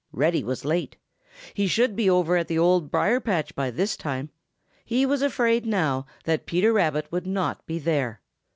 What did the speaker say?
Reddy was late. He should be over at the Old Briar patch by this time. He was afraid now that Peter Rabbit would not be there.